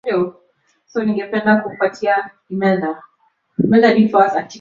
naitwa victor robert wile nikikutakia